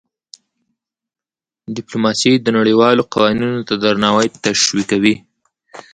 ډيپلوماسي د نړیوالو قوانینو ته درناوی تشویقوي.